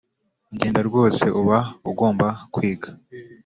genda rwose uba ugomba kwiga